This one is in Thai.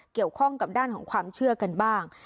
เกี่ยวข้องกับด้านของความเชื่อกันบ้าง